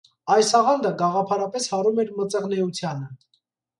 Այս աղանդը գաղափարապես հարում էր մծղնեությանը։